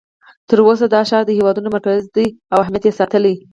تر اوسه دا ښار د هېواد مرکز دی او اهمیت یې ساتلی.